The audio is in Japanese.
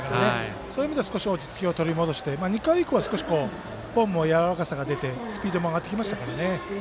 そういう意味では少し落ち着きを取り戻して２回以降はフォームにやわらかさが出てスピードも上がってきましたから。